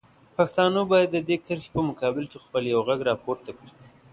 پښتانه باید د دې کرښې په مقابل کې خپل یو غږ راپورته کړي.